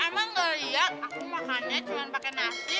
emang gak liat aku makannya cuma pakai nasi